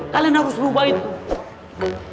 kalian harus lupa itu